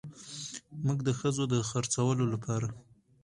موږ د ښځو د خرڅولو لپاره